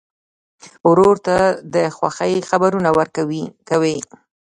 ورور ته د خوښۍ خبرونه ورکوې.